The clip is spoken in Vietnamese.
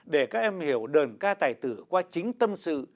để các em hiểu đờn ca tài tử qua chính tâm sự